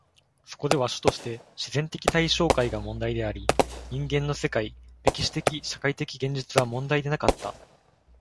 そこでは主として自然的対象界が問題であり、人間の世界、歴史的・社会的現実は問題でなかった。